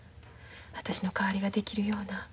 私の代わりができるような。